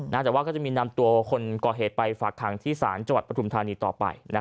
น่าจะว่าก็จะมีนำตัวคนก่อเหตุไปฝากทางที่ศาลจประถุมธานีต่อไปนะครับ